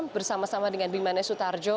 bersama sama dengan bimane sutarjo